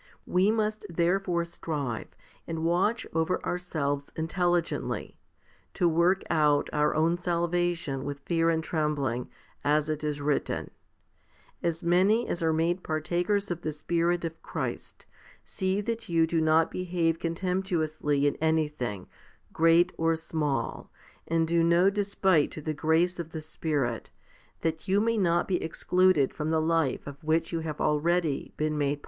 We must there fore strive, and watch over ourselves intelligently, to work out our own salvation with fear and trembling, as it is written. 3 As many as are made partakers of the Spirit of Christ, see that you do not behave contemptuously in any thing, small or great, and do no despite to the grace of the Spirit, that you may not be excluded from the life of which you have already been made partakers.